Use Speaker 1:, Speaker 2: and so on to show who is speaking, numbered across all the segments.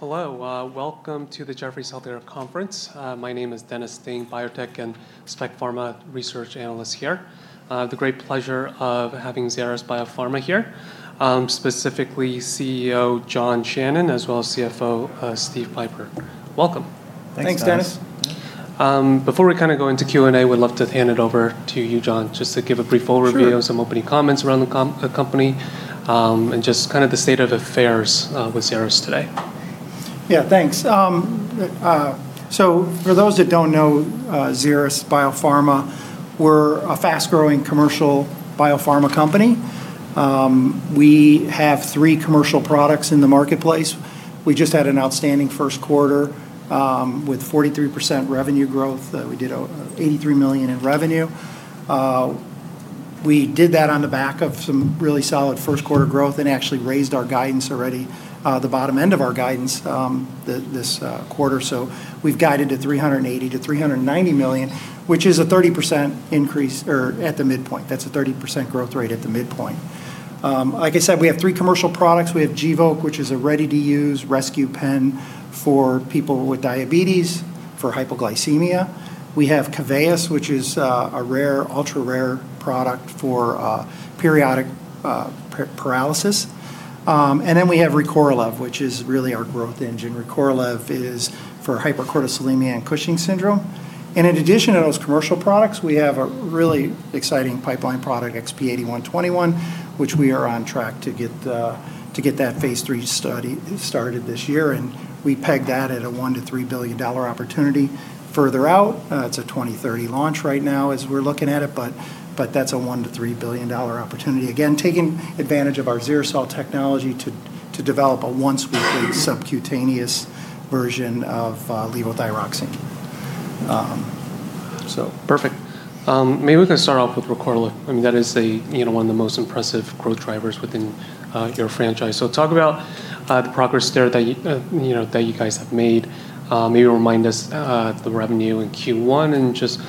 Speaker 1: Hello, welcome to the Jefferies Healthcare Conference. My name is Dennis Ding, Biotech and Spec Pharma Research Analyst here. It's a great pleasure of having Xeris Biopharma here, specifically CEO John Shannon, as well as CFO Steve Pieper. Welcome.
Speaker 2: Thanks, Dennis.
Speaker 3: Thanks, Dennis.
Speaker 1: Before we go into Q&A, would love to hand it over to you, John, just to give a brief overview
Speaker 2: Sure.
Speaker 1: --some opening comments around the company, and just the state of affairs with Xeris today.
Speaker 2: Yeah, thanks. For those that don't know Xeris Biopharma, we're a fast-growing commercial biopharma company. We have three commercial products in the marketplace. We just had an outstanding first quarter, with 43% revenue growth. We did $83 million in revenue. We did that on the back of some really solid first quarter growth and actually raised our guidance already, the bottom end of our guidance, this quarter. We've guided to $380 million-$390 million, which is a 30% increase Or at the midpoint. That's a 30% growth rate at the midpoint. Like I said, we have three commercial products. We have Gvoke, which is a ready-to-use rescue pen for people with diabetes, for hypoglycemia. We have KEVEYIS, which is a rare, ultra-rare product for periodic paralysis. We have RECORLEV, which is really our growth engine. RECORLEV is for hypercortisolemia and Cushing syndrome. In addition to those commercial products, we have a really exciting pipeline product, XP-8121, which we are on track to get that phase III study started this year. We pegged that at a $1 billion-$3 billion opportunity further out. It's a 2030 launch right now as we're looking at it, that's a $1 billion-$3 billion opportunity. Again, taking advantage of our XeriSol technology to develop a once-weekly subcutaneous version of levothyroxine.
Speaker 1: Perfect. Maybe we can start off with RECORLEV. That is one of the most impressive growth drivers within your franchise. Talk about the progress there that you guys have made. Maybe remind us the revenue in Q1 and just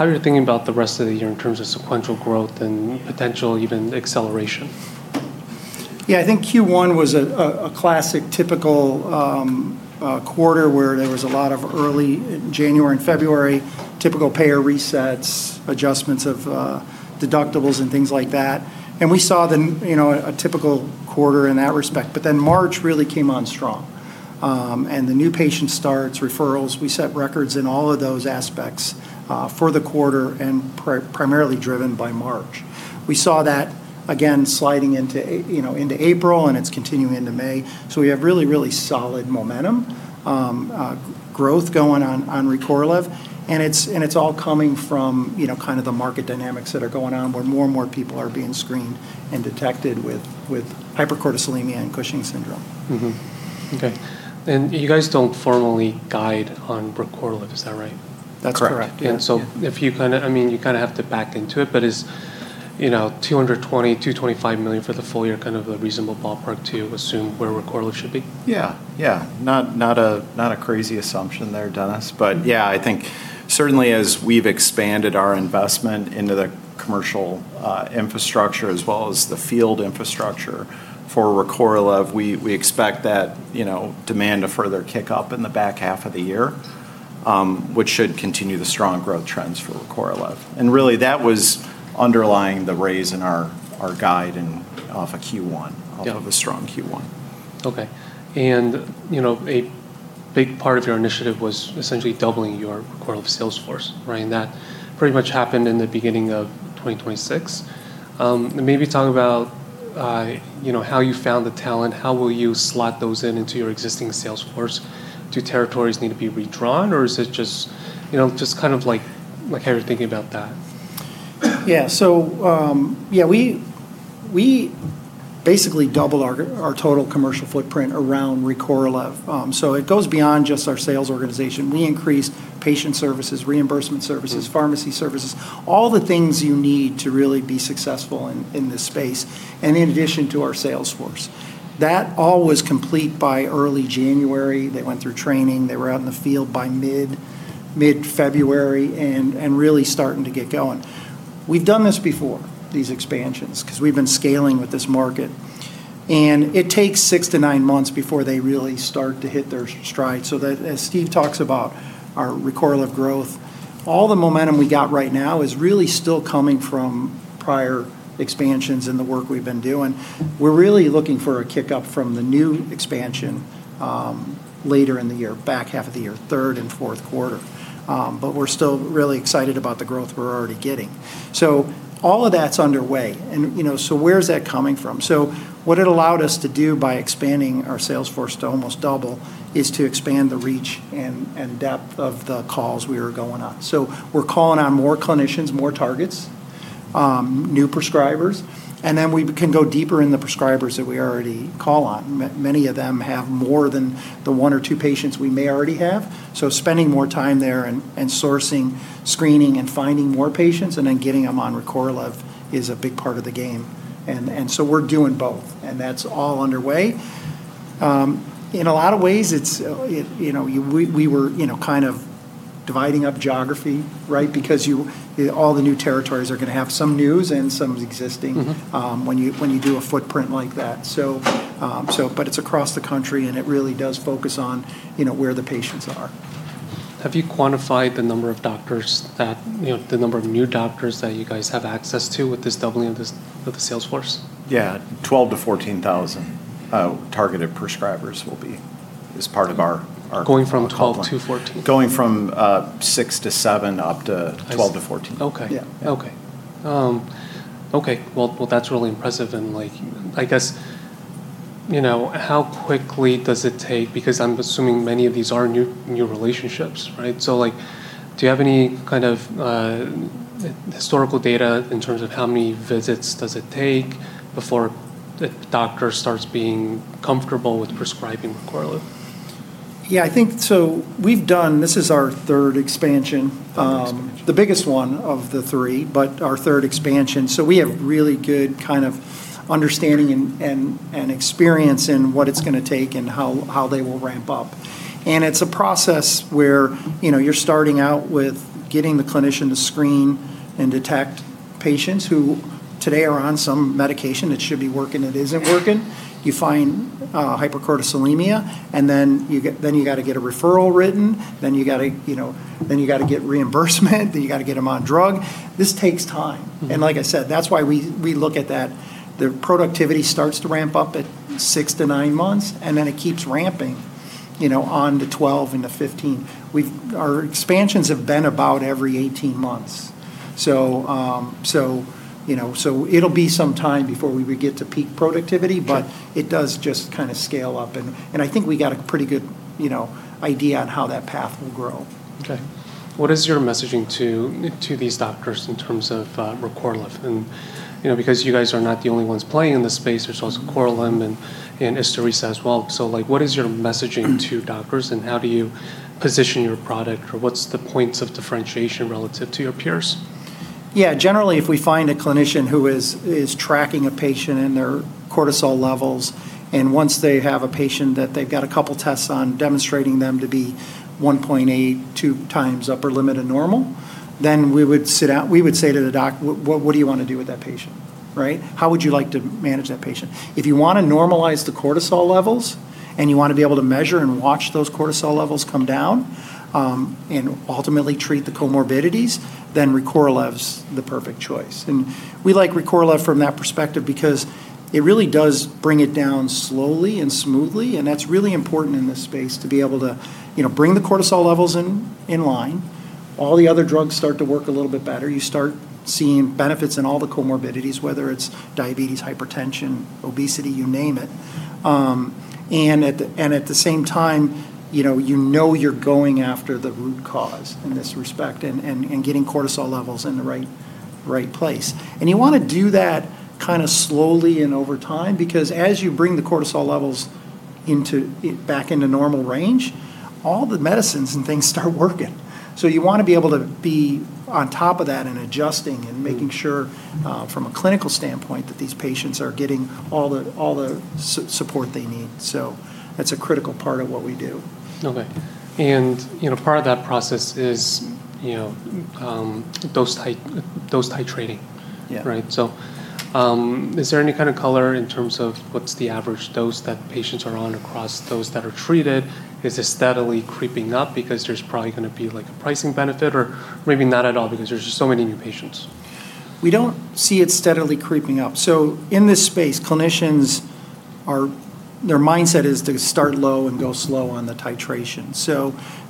Speaker 1: how you're thinking about the rest of the year in terms of sequential growth and potential, even acceleration.
Speaker 2: Yeah. I think Q1 was a classic typical quarter where there was a lot of early January and February typical payer resets, adjustments of deductibles, and things like that. We saw a typical quarter in that respect. March really came on strong. The new patient starts, referrals, we set records in all of those aspects for the quarter and primarily driven by March. We saw that again sliding into April, and it's continuing into May. We have really, really solid momentum, growth going on RECORLEV, and it's all coming from the market dynamics that are going on where more and more people are being screened and detected with hypercortisolemia and Cushing's syndrome.
Speaker 1: Mm-hmm. Okay. You guys don't formally guide on RECORLEV, is that right?
Speaker 3: That's correct.
Speaker 2: Correct. Yeah.
Speaker 1: You have to back into it, but is $220 million-$225 million for the full year kind of a reasonable ballpark to assume where RECORLEV should be?
Speaker 3: Not a crazy assumption there, Dennis. I think certainly as we've expanded our investment into the commercial infrastructure as well as the field infrastructure for RECORLEV, we expect that demand to further kick up in the back half of the year, which should continue the strong growth trends for RECORLEV. really, that was underlying the raise in our guide and off a Q1
Speaker 2: Yeah.
Speaker 3: --off of a strong Q1.
Speaker 1: Okay. A big part of your initiative was essentially doubling your RECORLEV sales force, right? That pretty much happened in the beginning of 2026. Maybe talk about how you found the talent. How will you slot those in into your existing sales force? Do territories need to be redrawn, or is it just like how you're thinking about that?
Speaker 2: Yeah. We basically doubled our total commercial footprint around RECORLEV. It goes beyond just our sales organization. We increased patient services, reimbursement services, pharmacy services, all the things you need to really be successful in this space, and in addition to our sales force. That all was complete by early January. They went through training. They were out in the field by mid-February and really starting to get going. We've done this before, these expansions, because we've been scaling with this market. It takes six to nine months before they really start to hit their stride. As Steve talks about our RECORLEV growth, all the momentum we got right now is really still coming from prior expansions in the work we've been doing. We're really looking for a kick-up from the new expansion later in the year, back half of the year, third and fourth quarter. We're still really excited about the growth we're already getting. All of that's underway and so where is that coming from? What it allowed us to do by expanding our sales force to almost double is to expand the reach and depth of the calls we are going on. We're calling on more clinicians, more targets, new prescribers, and then we can go deeper in the prescribers that we already call on. Many of them have more than the one or two patients we may already have, so spending more time there and sourcing, screening, and finding more patients, and then getting them on RECORLEV is a big part of the game. We're doing both, and that's all underway. In a lot of ways, we were kind of dividing up geography, right? All the new territories are going to have some news and some existing when you do a footprint like that. It's across the country, and it really does focus on where the patients are.
Speaker 1: Have you quantified the number of new doctors that you guys have access to with this doubling of the sales force?
Speaker 3: Yeah. 12,000-14,000 targeted prescribers will be as part of...
Speaker 1: Going from 12,000 to 14,000.
Speaker 3: Going from 6,000-7,000 up to 12,000-14,000.
Speaker 1: Okay.
Speaker 2: Yeah.
Speaker 1: Okay. Well, that's really impressive and I guess, how quickly does it take, because I'm assuming many of these are new relationships, right? Do you have any kind of historical data in terms of how many visits does it take before a doctor starts being comfortable with prescribing RECORLEV?
Speaker 2: Yeah, this is our third expansion.
Speaker 1: Third expansion.
Speaker 2: The biggest one of the three, but our third expansion. We have a really good kind of understanding and experience in what it's going to take and how they will ramp up. It's a process where you're starting out with getting the clinician to screen and detect patients who today are on some medication that should be working, it isn't working. You find hypercortisolemia, then you got to get a referral written, then you got to get reimbursement, then you got to get them on drug. This takes time. Like I said, that's why we look at that. The productivity starts to ramp up at six to nine months, and then it keeps ramping on to 12 into 15. Our expansions have been about every 18 months. It'll be some time before we get to peak productivity.
Speaker 1: Sure.
Speaker 2: It does just kind of scale up and I think we got a pretty good idea on how that path will grow.
Speaker 1: Okay. What is your messaging to these doctors in terms of RECORLEV? Because you guys are not the only ones playing in this space. There's also Korlym and Isturisa as well. What is your messaging to doctors, and how do you position your product, or what's the points of differentiation relative to your peers?
Speaker 2: Yeah, generally, if we find a clinician who is tracking a patient and their cortisol levels, and once they have a patient that they've got a couple tests on demonstrating them to be 1.82x upper limit of normal, then we would say to the doc, "What do you want to do with that patient?" Right? "How would you like to manage that patient?" If you want to normalize the cortisol levels and you want to be able to measure and watch those cortisol levels come down, and ultimately treat the comorbidities, then RECORLEV is the perfect choice. We like RECORLEV from that perspective because it really does bring it down slowly and smoothly, and that's really important in this space, to be able to bring the cortisol levels in line. All the other drugs start to work a little bit better. You start seeing benefits in all the comorbidities, whether it's diabetes, hypertension, obesity, you name it. At the same time, you know you're going after the root cause in this respect and getting cortisol levels in the right place. You want to do that kind of slowly and over time, because as you bring the cortisol levels back into normal range, all the medicines and things start working. You want to be able to be on top of that and adjusting and making sure, from a clinical standpoint, that these patients are getting all the support they need. That's a critical part of what we do.
Speaker 1: Okay. Part of that process is dose titrating.
Speaker 3: Yeah.
Speaker 1: Is there any kind of color in terms of what's the average dose that patients are on across those that are treated? Is this steadily creeping up because there's probably going to be a pricing benefit, or maybe not at all, because there's just so many new patients?
Speaker 2: We don't see it steadily creeping up. In this space, clinicians, their mindset is to start low and go slow on the titration.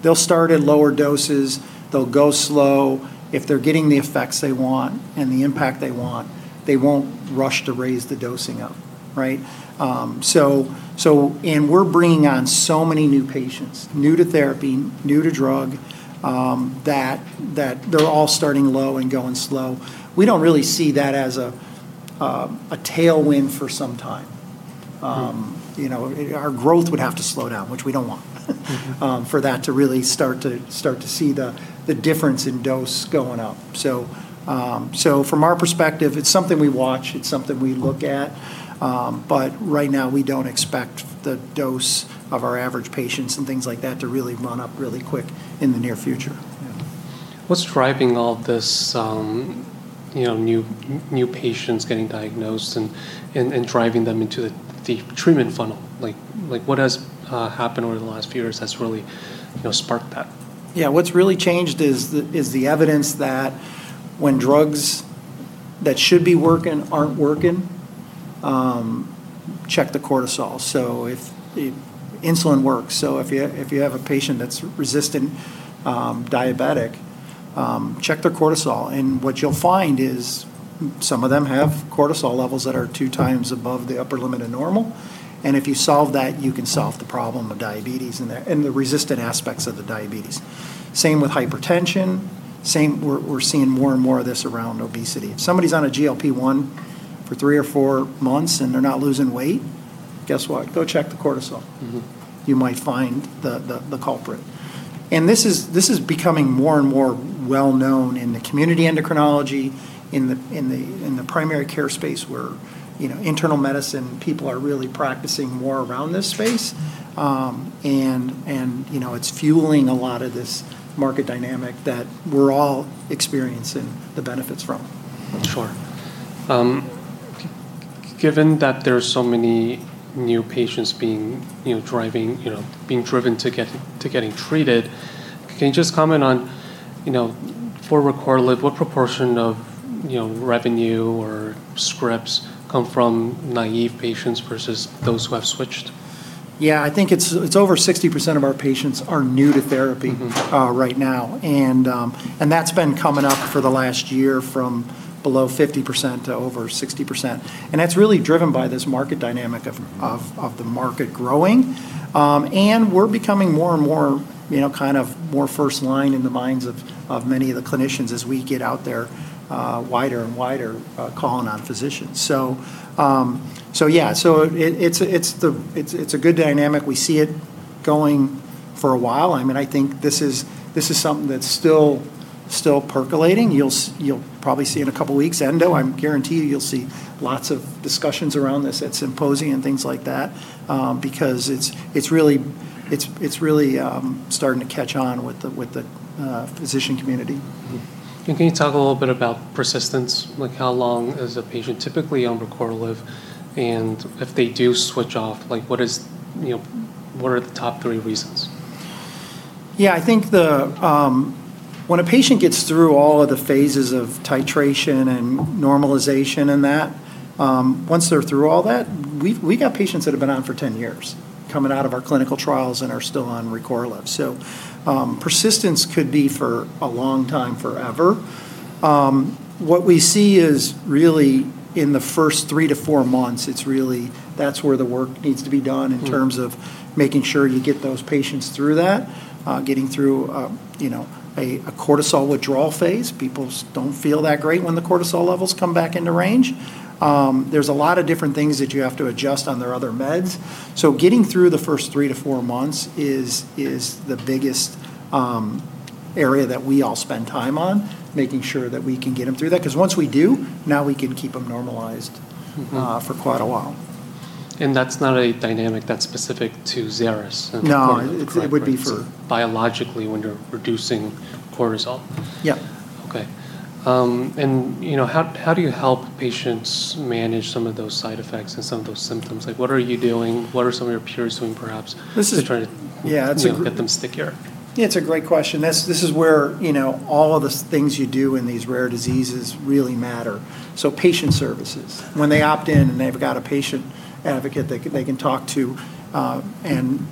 Speaker 2: They'll start at lower doses, they'll go slow. If they're getting the effects they want and the impact they want, they won't rush to raise the dosing up. Right? We're bringing on so many new patients, new to therapy, new to drug, that they're all starting low and going slow. We don't really see that as a tailwind for some time. Our growth would have to slow down, which we don't want, for that to really start to see the difference in dose going up. From our perspective, it's something we watch, it's something we look at. Right now, we don't expect the dose of our average patients and things like that to really run up really quick in the near future.
Speaker 3: Yeah.
Speaker 1: What's driving all this new patients getting diagnosed and driving them into the treatment funnel? What has happened over the last few years that's really sparked that?
Speaker 2: What's really changed is the evidence that when drugs that should be working aren't working, check the cortisol. insulin works, so if you have a patient that's resistant diabetic, check their cortisol. What you'll find is some of them have cortisol levels that are two times above the upper limit of normal. If you solve that, you can solve the problem of diabetes and the resistant aspects of the diabetes. With hypertension, we're seeing more and more of this around obesity. If somebody's on a GLP-1 for three or four months and they're not losing weight, guess what? Go check the cortisol. You might find the culprit. This is becoming more and more well-known in the community endocrinology, in the primary care space where internal medicine people are really practicing more around this space. It's fueling a lot of this market dynamic that we're all experiencing the benefits from.
Speaker 1: Sure. Given that there are so many new patients being driven to getting treated, can you just comment on, for RECORLEV, what proportion of revenue or scripts come from naive patients versus those who have switched?
Speaker 2: Yeah. I think it's over 60% of our patients are new to therapy right now, and that's been coming up for the last year from below 50% to over 60%. That's really driven by this market dynamic of the market growing. We're becoming more and more first line in the minds of many of the clinicians as we get out there wider and wider, calling on physicians. Yeah. It's a good dynamic. We see it going for a while. I think this is something that's still percolating. You'll probably see in a couple of weeks, ENDO, I'm guaranteed you'll see lots of discussions around this at symposium and things like that, because it's really starting to catch on with the physician community.
Speaker 1: Can you talk a little bit about persistence? How long is a patient typically on RECORLEV? If they do switch off, what are the top three reasons?
Speaker 2: I think when a patient gets through all of the phases of titration and normalization and that, once they're through all that, we've got patients that have been on for 10 years, coming out of our clinical trials and are still on RECORLEV. Persistence could be for a long time, forever. What we see is really in the first three to four months, that's where the work needs to be done in terms of making sure you get those patients through that, getting through a cortisol withdrawal phase. People don't feel that great when the cortisol levels come back into range. There's a lot of different things that you have to adjust on their other meds. Getting through the first three to four months is the biggest area that we all spend time on, making sure that we can get them through that. Once we do, now we can keep them normalized for quite a while.
Speaker 1: That's not a dynamic that's specific to Xeris...
Speaker 2: No It would be for biologically when you're reducing cortisol.
Speaker 3: Yeah.
Speaker 1: Okay. How do you help patients manage some of those side effects and some of those symptoms? What are you doing? What are some of your peers doing, perhaps
Speaker 2: This is...
Speaker 1: --to try to
Speaker 2: Yeah, it's a...
Speaker 1: --get them to stick here?
Speaker 2: Yeah, it's a great question. This is where all of the things you do in these rare diseases really matter. Patient services, when they opt in and they've got a patient advocate they can talk to, and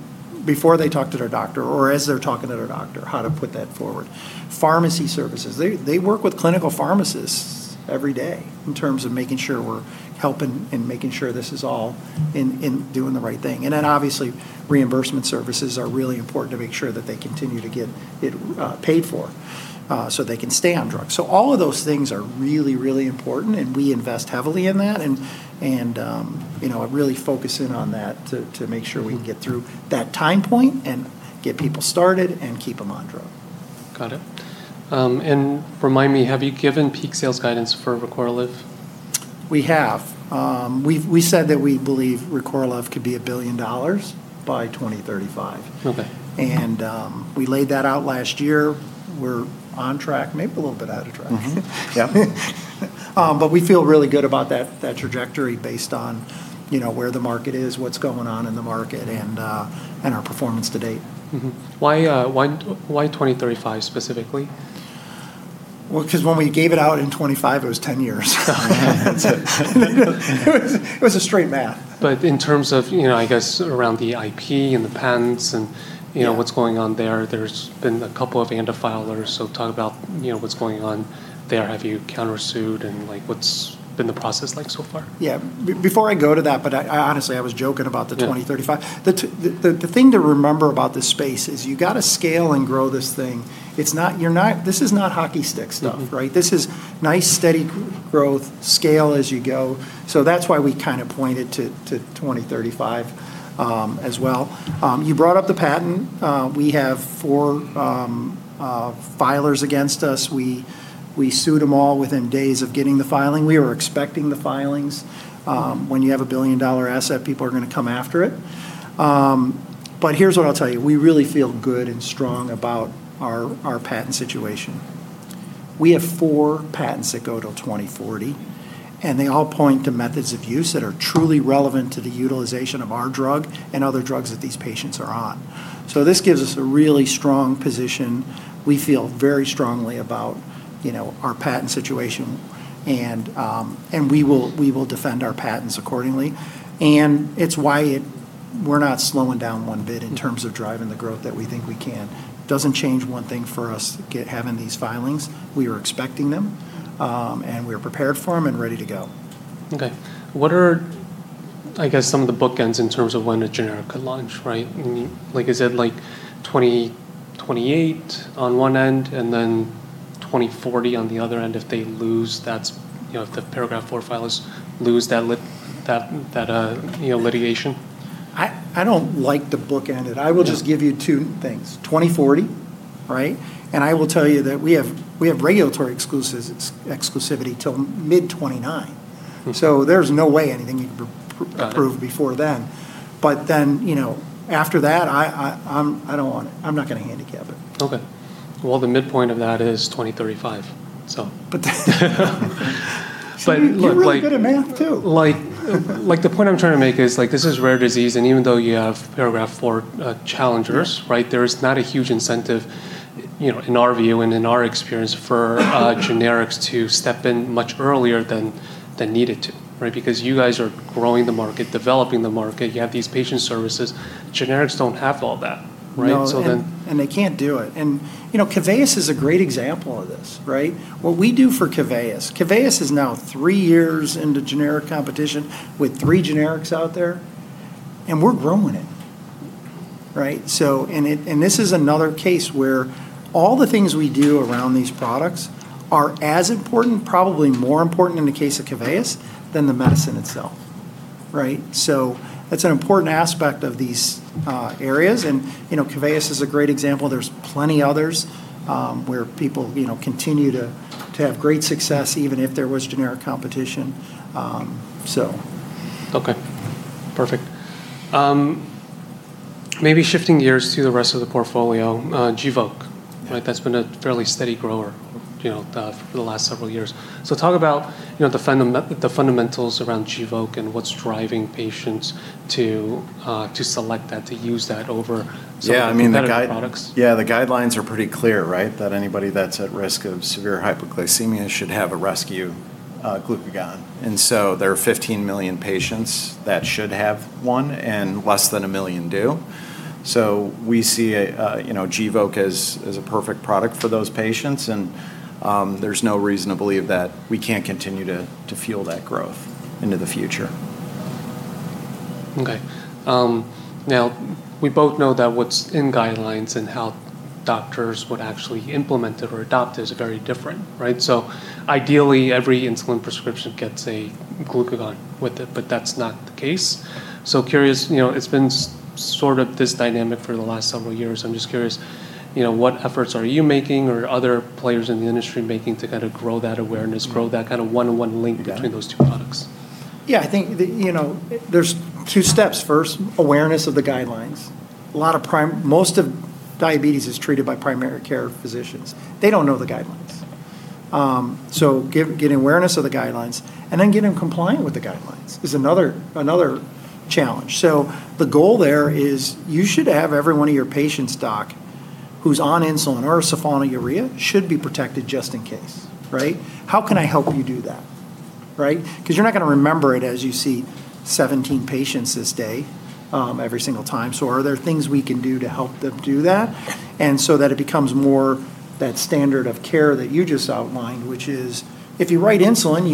Speaker 2: before they talk to their doctor or as they're talking to their doctor, how to put that forward. Pharmacy services. They work with clinical pharmacists every day in terms of making sure we're helping and making sure this is all in doing the right thing. Then obviously, reimbursement services are really important to make sure that they continue to get it paid for, so they can stay on drugs. All of those things are really important, and we invest heavily in that, and really focus in on that to make sure we can get through that time point and get people started and keep them on drug.
Speaker 1: Got it. Remind me, have you given peak sales guidance for RECORLEV?
Speaker 2: We have. We've said that we believe RECORLEV could be $1 billion by 2035.
Speaker 1: Okay.
Speaker 2: We laid that out last year. We're on track, maybe a little bit out of track.
Speaker 1: Mm-hmm.
Speaker 3: Yep.
Speaker 2: We feel really good about that trajectory based on where the market is, what's going on in the market, and our performance to date.
Speaker 1: Mm-hmm. Why 2035 specifically?
Speaker 2: Well, because when we gave it out in 2025, it was 10 years. It was a straight math.
Speaker 1: In terms of, I guess, around the IP and the patents.
Speaker 2: Yeah.
Speaker 1: what's going on there's been a couple of ANDA filers. Talk about what's going on there. Have you countersued, and what's been the process like so far?
Speaker 2: Yeah. Before I go to that, but honestly, I was joking about the 2035.
Speaker 3: Yeah.
Speaker 2: The thing to remember about this space is you've got to scale and grow this thing. This is not hockey stick stuff, right? This is nice, steady growth, scale as you go. That's why we pointed to 2035 as well. You brought up the patent. We have four filers against us. We sued them all within days of getting the filing. We were expecting the filings. When you have a billion-dollar asset, people are going to come after it. Here's what I'll tell you. We really feel good and strong about our patent situation. We have four patents that go till 2040, and they all point to methods of use that are truly relevant to the utilization of our drug and other drugs that these patients are on. This gives us a really strong position. We feel very strongly about our patent situation, and we will defend our patents accordingly. It's why we're not slowing down one bit in terms of driving the growth that we think we can. Doesn't change one thing for us, having these filings. We are expecting them, and we are prepared for them and ready to go.
Speaker 1: Okay. What are, I guess, some of the bookends in terms of when a generic could launch, right? Is it 2028 on one end and then 2040 on the other end if the Paragraph IV filers lose that litigation?
Speaker 2: I don't like to bookend it.
Speaker 3: Yeah.
Speaker 2: I will just give you two things. 2040, right? I will tell you that we have regulatory exclusivity till mid 2029. There's no way anything you can approve
Speaker 1: Got it.
Speaker 2: --before then. After that, I don't want it. I'm not going to handicap it.
Speaker 1: Okay. Well, the midpoint of that is 2035.
Speaker 2: But then
Speaker 1: But look, like
Speaker 2: --you're really good at math, too.
Speaker 1: --the point I'm trying to make is, this is rare disease, and even though you have Paragraph IV challengers.
Speaker 2: Yeah.
Speaker 1: Right, there is not a huge incentive, in our view and in our experience, for generics to step in much earlier than needed to. Right? Because you guys are growing the market, developing the market. You have these patient services. Generics don't have all that, right?
Speaker 2: No.
Speaker 1: So then...
Speaker 2: They can't do it. KEVEYIS is a great example of this, right? What we do for KEVEYIS is now three years into generic competition with three generics out there, and we're growing it. Right? This is another case where all the things we do around these products are as important, probably more important in the case of KEVEYIS, than the medicine itself. Right? That's an important aspect of these areas, and KEVEYIS is a great example. There's plenty others where people continue to have great success even if there was generic competition.
Speaker 1: Okay, perfect. Maybe shifting gears to the rest of the portfolio. Gvoke
Speaker 2: Yeah.
Speaker 1: --right? That's been a fairly steady grower for the last several years. Talk about the fundamentals around Gvoke and what's driving patients to select that, to use that over some
Speaker 3: Yeah, I mean...
Speaker 1: --competitive products.
Speaker 3: Yeah, the guidelines are pretty clear, right? That anybody that's at risk of severe hypoglycemia should have a rescue glucagon. There are 15 million patients that should have one and less than 1 million do. We see Gvoke as a perfect product for those patients and there's no reason to believe that we can't continue to fuel that growth into the future.
Speaker 1: Okay. We both know that what's in guidelines and how doctors would actually implement it or adopt it is very different, right? Ideally, every insulin prescription gets a glucagon with it, but that's not the case. Curious, it's been sort of this dynamic for the last several years. I'm just curious, what efforts are you making or other players in the industry making to kind of grow that awareness, grow that kind of one-on-one link
Speaker 3: Got it.
Speaker 1: --between those two products?
Speaker 2: Yeah, I think there's two steps. First, awareness of the guidelines. Most of diabetes is treated by primary care physicians. They don't know the guidelines. Getting awareness of the guidelines, and then getting compliant with the guidelines is another challenge. The goal there is you should have every one of your patients, Doc, who's on insulin or a sulfonylurea should be protected just in case. Right? How can I help you do that, right? Because you're not going to remember it as you see 17 patients this day every single time. Are there things we can do to help them do that? That it becomes more that standard of care that you just outlined, which is if you write insulin,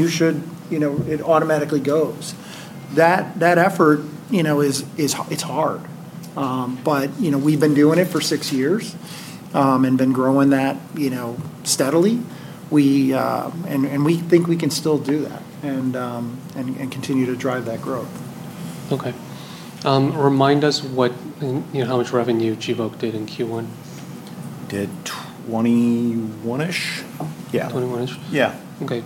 Speaker 2: it automatically goes. That effort, it's hard. We've been doing it for six years, and been growing that steadily. We think we can still do that and continue to drive that growth.
Speaker 1: Okay. Remind us how much revenue Gvoke did in Q1?
Speaker 3: Did $21-ish million. Yeah.
Speaker 1: $21-ish million?
Speaker 3: Yeah.
Speaker 1: Okay.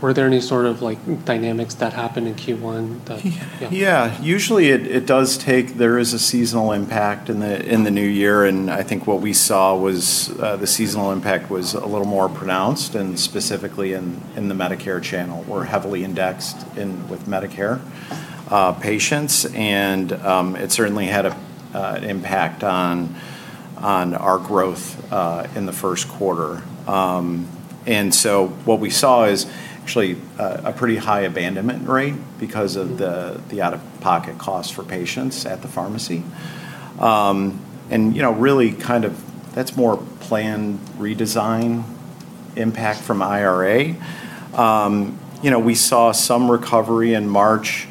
Speaker 1: Were there any sort of dynamics that happened in Q1?
Speaker 2: Yeah.
Speaker 3: Yeah. Usually, there is a seasonal impact in the new year. I think what we saw was the seasonal impact was a little more pronounced, specifically in the Medicare channel. We're heavily indexed in with Medicare patients. It certainly had an impact on our growth in the first quarter. What we saw is actually a pretty high abandonment rate because of the out-of-pocket cost for patients at the pharmacy. Really that's more plan redesign impact from IRA. We saw some recovery in March,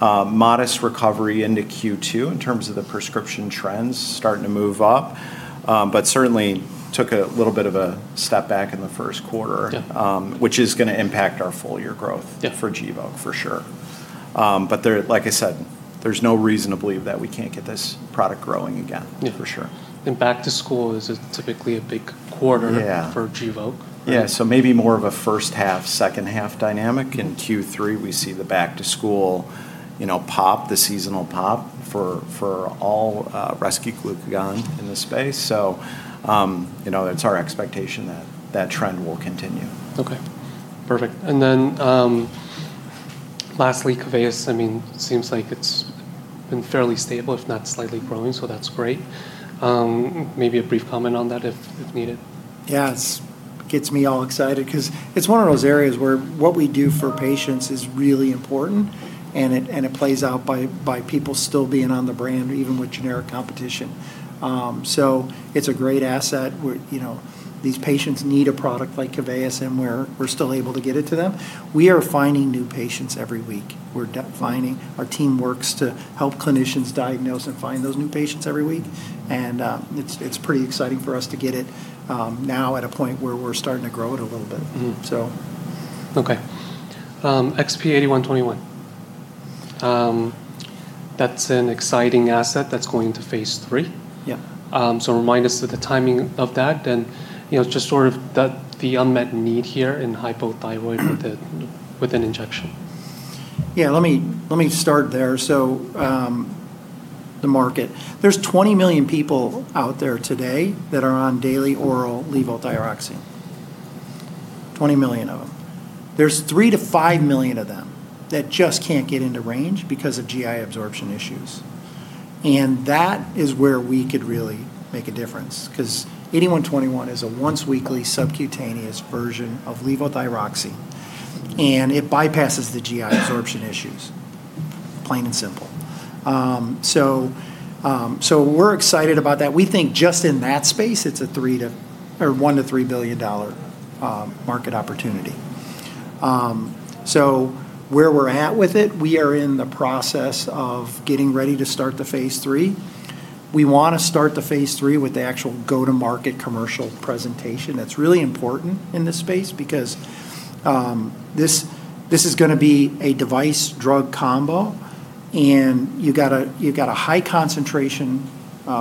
Speaker 3: modest recovery into Q2 in terms of the prescription trends starting to move up. Certainly took a little bit of a step back in the first quarter
Speaker 2: Yeah.
Speaker 3: --which is going to impact our full-year growth
Speaker 2: Yeah.
Speaker 3: --for Gvoke for sure. Like I said, there's no reason to believe that we can't get this product growing again.
Speaker 2: Yeah for sure.
Speaker 1: Back to school is typically a big quarter
Speaker 3: Yeah.
Speaker 1: --for Gvoke. Right?
Speaker 3: Yeah, maybe more of a first half, second half dynamic. In Q3, we see the back to school pop, the seasonal pop for all rescue glucagon in this space. It's our expectation that that trend will continue.
Speaker 1: Okay, perfect. Then lastly, KEVEYIS, seems like it's been fairly stable, if not slightly growing, so that's great. Maybe a brief comment on that if needed.
Speaker 2: Yeah, it gets me all excited because it's one of those areas where what we do for patients is really important, and it plays out by people still being on the brand, even with generic competition. It's a great asset where these patients need a product like KEVEYIS, and we're still able to get it to them. We are finding new patients every week. Our team works to help clinicians diagnose and find those new patients every week, and it's pretty exciting for us to get it now at a point where we're starting to grow it a little bit. So
Speaker 1: Okay. XP-8121, that's an exciting asset that's going to phase III.
Speaker 2: Yeah.
Speaker 1: Remind us of the timing of that and just sort of the unmet need here in hypothyroidism with an injection?
Speaker 2: Yeah, let me start there. The market. There's 20 million people out there today that are on daily oral levothyroxine. 20 million of them. There's 3 million-5 million of them that just can't get into range because of GI absorption issues, and that is where we could really make a difference, because 8121 is a once-weekly subcutaneous version of levothyroxine, and it bypasses the GI absorption issues, plain and simple. We're excited about that. We think just in that space, it's a $1 billion-$3 billion market opportunity. Where we're at with it, we are in the process of getting ready to start the phase III. We want to start the phase III with the actual go-to-market commercial presentation. That's really important in this space because, this is going to be a device-drug combo, and you've got a high-concentration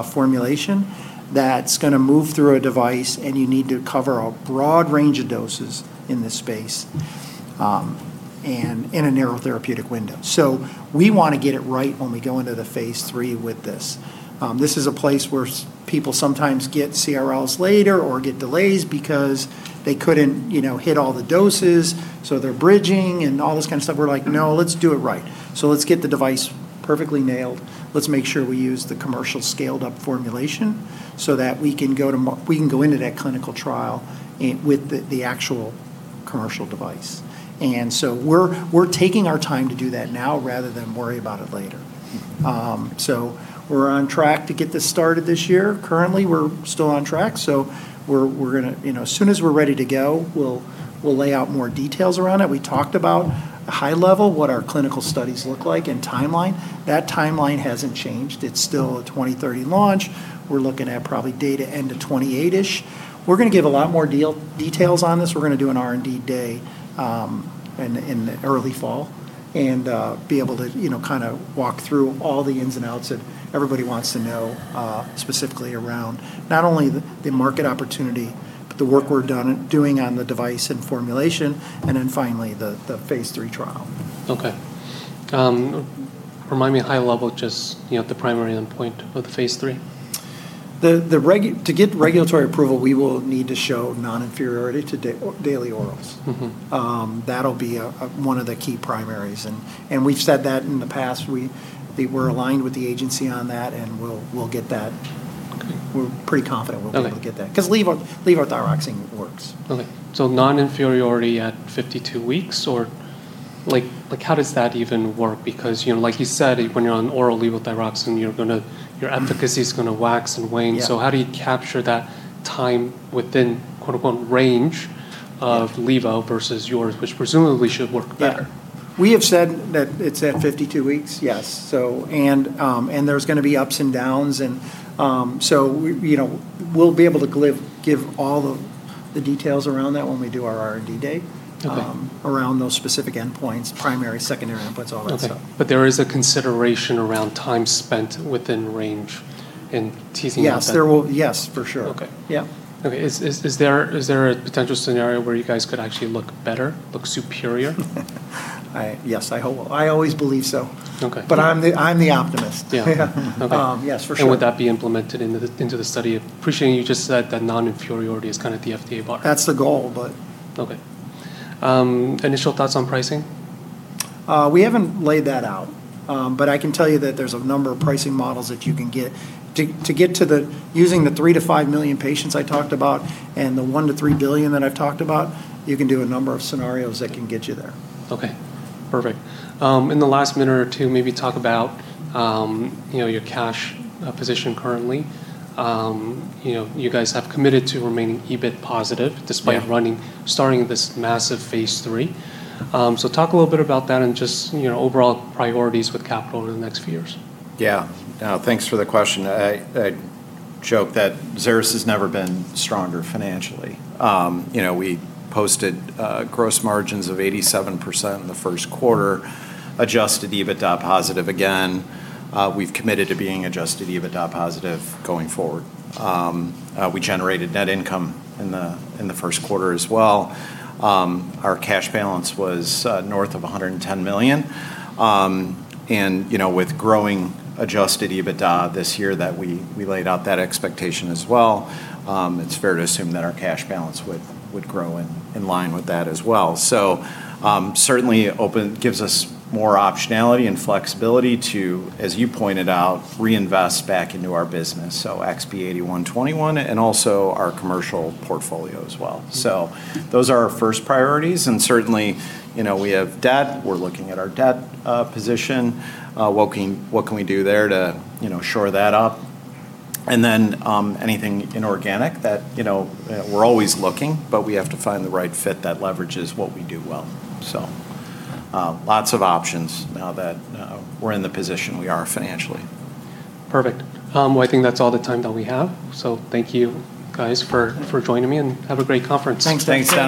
Speaker 2: formulation that's going to move through a device, and you need to cover a broad range of doses in this space, and in a narrow therapeutic window. We want to get it right when we go into the phase III with this. This is a place where people sometimes get CRLs later or get delays because they couldn't hit all the doses, so they're bridging and all this kind of stuff. We're like, "No, let's do it right." Let's get the device perfectly nailed. Let's make sure we use the commercial scaled-up formulation so that we can go into that clinical trial with the actual commercial device. We're taking our time to do that now, rather than worry about it later. We're on track to get this started this year. Currently, we're still on track, so as soon as we're ready to go, we'll lay out more details around it. We talked about, high level, what our clinical studies look like and timeline. That timeline hasn't changed. It's still a 2030 launch. We're looking at probably data end of 2028-ish. We're going to give a lot more details on this. We're going to do an R&D day in early fall and be able to walk through all the ins and outs that everybody wants to know, specifically around not only the market opportunity, but the work we're doing on the device and formulation, and then finally, the phase III trial.
Speaker 1: Okay. Remind me high level, just the primary endpoint of the phase III.
Speaker 2: To get regulatory approval, we will need to show non-inferiority to daily orals. That'll be one of the key primaries, and we've said that in the past. We're aligned with the agency on that, and we'll get that.
Speaker 1: Okay.
Speaker 2: We're pretty confident we'll be able to get that
Speaker 1: Okay.
Speaker 2: --because levothyroxine works.
Speaker 1: Okay. Non-inferiority at 52 weeks? How does that even work? Like you said, when you're on oral levothyroxine, your efficacy's going to wax and wane.
Speaker 2: Yeah.
Speaker 1: How do you capture that time within "range" of levo versus yours, which presumably should work better?
Speaker 3: Yeah.
Speaker 2: We have said that it's at 52 weeks, yes. There's going to be ups and downs, and so we'll be able to give all the details around that when we do our R&D
Speaker 1: Okay.
Speaker 2: --around those specific endpoints, primary, secondary endpoints, all that stuff.
Speaker 1: Okay, there is a consideration around time spent within range.
Speaker 2: Yes, for sure.
Speaker 1: Okay.
Speaker 2: Yeah.
Speaker 1: Okay, is there a potential scenario where you guys could actually look better, look superior?
Speaker 2: Yes, I hope. I always believe so.
Speaker 1: Okay.
Speaker 2: I'm the optimist. Yeah.
Speaker 3: Yeah.
Speaker 1: Okay.
Speaker 2: Yes, for sure.
Speaker 1: Would that be implemented into the study? Appreciating you just said that non-inferiority is kind of the FDA bar.
Speaker 2: That's the goal.
Speaker 1: Okay. Initial thoughts on pricing?
Speaker 2: We haven't laid that out, but I can tell you that there's a number of pricing models that you can get. To get to using the 3 million-5 million patients I talked about, and the $1 billion-$3 billion that I've talked about, you can do a number of scenarios that can get you there.
Speaker 1: Okay, perfect. In the last minute or two, maybe talk about your cash position currently. You guys have committed to remaining EBITDA positive
Speaker 2: Yeah.
Speaker 1: --despite starting this massive phase III. Talk a little bit about that and just overall priorities with capital over the next few years.
Speaker 3: Thanks for the question. I joke that Xeris has never been stronger financially. We posted gross margins of 87% in the first quarter, adjusted EBITDA positive again. We've committed to being adjusted EBITDA positive going forward. We generated net income in the first quarter as well. Our cash balance was north of $110 million. With growing adjusted EBITDA this year, that we laid out that expectation as well. It's fair to assume that our cash balance would grow in line with that as well. Certainly gives us more optionality and flexibility to, as you pointed out, reinvest back into our business, so XP-8121 and also our commercial portfolio as well. Those are our first priorities, and certainly, we have debt. We're looking at our debt position. What can we do there to shore that up? Anything inorganic that we're always looking, but we have to find the right fit that leverages what we do well. Lots of options now that we're in the position we are financially.
Speaker 1: Perfect. I think that's all the time that we have, so thank you guys for joining me, and have a great conference.
Speaker 2: Thanks.
Speaker 3: Thanks, Dennis.